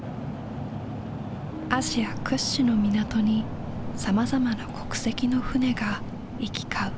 アジア屈指の港にさまざな国籍の船が行き交う。